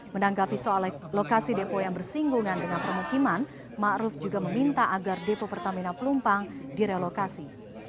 menanggapi soal lokasi depo yang bersinggungan dengan permukiman ⁇ maruf ⁇ juga meminta agar depo pertamina pelumpang direlokasi